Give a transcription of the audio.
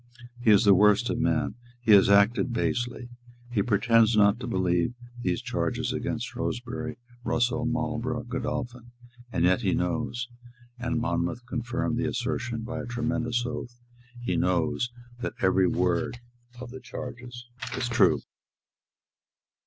"He is the worst of men. He has acted basely. He pretends not to believe these charges against Shrewsbury, Russell, Marlborough, Godolphin. And yet he knows," and Monmouth confirmed the assertion by a tremendous oath, "he knows that every word of the charges is true."